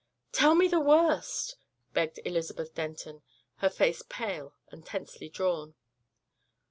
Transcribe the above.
"Tell me the worst!" begged Elizabeth Denton, her face pale and tensely drawn.